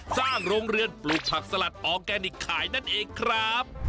สร้างโรงเรือนปลูกผักสลัดออร์แกนิคขายนั่นเองครับ